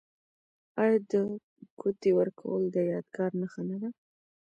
آیا د ګوتې ورکول د یادګار نښه نه ده؟